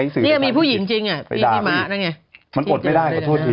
สีจริงรึเปล่า